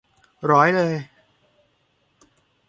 หรอยเลย